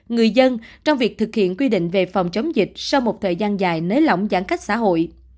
người dân trong việc thực hiện quy định về phòng chống dịch sau một thời gian dài nới lỏng giãn cách xã hội